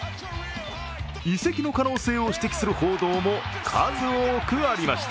移籍の可能性を指摘する報道も数多くありました。